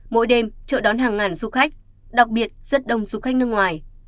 mỗi đêm chợ đón hàng ngàn du khách đặc biệt rất đông du khách nước ngoài